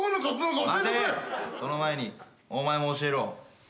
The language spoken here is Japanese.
その前にお前も教えろ。